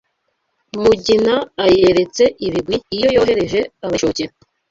Mugina ayeretse ibigwi iyo yohereje abayishokera